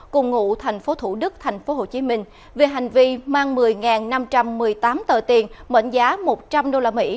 cùng ngụ tp thủ đức tp hcm về hành vi mang một mươi năm trăm một mươi tám tờ tiền mệnh giá một trăm linh đô la mỹ